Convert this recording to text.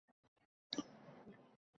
u shunday deya g’ururlanardi